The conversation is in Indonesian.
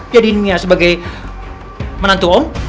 jadikan mia sebagai menantu om